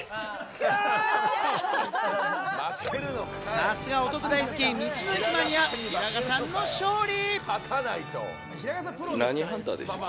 さすがお得大好き道の駅マニア・平賀さんの勝利！